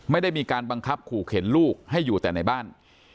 ไม่ได้มีการบังคับขู่เข็นลูกให้อยู่แต่ในบ้าน